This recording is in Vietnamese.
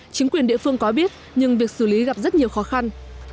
chính quyền địa phương có biết nhưng việc xử lý gặp rất nhiều khó khăn